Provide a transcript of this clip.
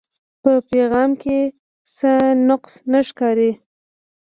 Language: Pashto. پۀ پېغام کښې څۀ نقص نۀ ښکاري